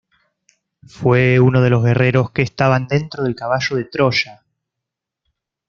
Fue uno de los guerreros que estaban dentro del Caballo de Troya.